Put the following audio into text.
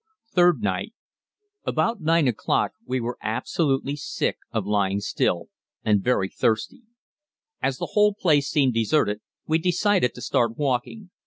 Third Night. About 9 o'clock we were absolutely sick of lying still, and very thirsty. As the whole place seemed deserted we decided to start walking.